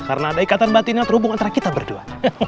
karena ada ikatan batinnya terhubung antara kita berdua